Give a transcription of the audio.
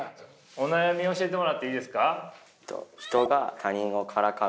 お悩み教えてもらっていいですか？